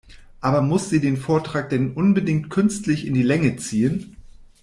Aber muss sie den Vortrag denn unbedingt künstlich in die Länge ziehen?